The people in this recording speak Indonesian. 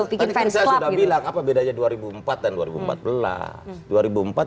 tadi kan saya sudah bilang apa bedanya dua ribu empat dan dua ribu empat belas